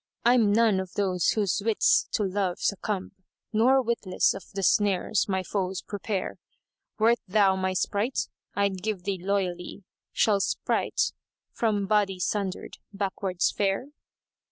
I'm none of those whose wits to love succumb * Nor witless of the snares my foes prepare: Wert thou my sprite, I'd give thee loyally; * Shall sprite, from body sundered, backwards fare?"